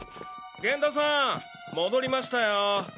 源田さん戻りましたよ。